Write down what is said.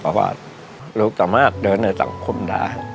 ขอบรรย์ลูกสามารถเดินในสังคมด้า